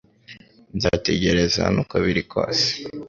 Nzategereza hano uko biri kose